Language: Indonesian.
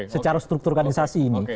secara struktur organisasi ini